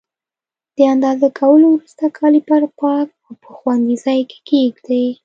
د اندازه کولو وروسته کالیپر پاک او په خوندي ځای کې کېږدئ.